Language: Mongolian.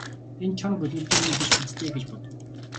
Энд чоно гөлөглөдөг юм биш биз дээ гэж бодов.